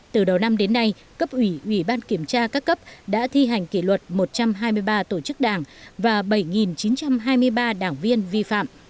từ đầu năm đến nay cấp ủy ủy ban kiểm tra các cấp đã thi hành kỷ luật một trăm hai mươi ba tổ chức đảng và bảy chín trăm hai mươi ba đảng viên vi phạm